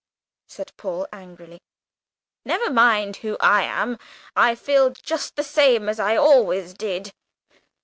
said Paul angrily. "Never mind who I am. I feel just the same as I always did.